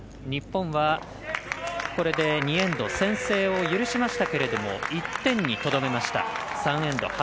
日本は、これで２エンド先制を許しましたけれども１点にとどめました、３エンド